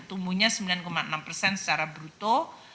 tumbuhnya sembilan enam persen secara bruto